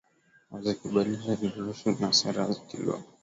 za kikabila ziliruhusiwa na sera ya kikoloni kama